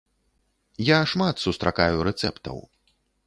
Я шмат сустракаю рэцэптаў.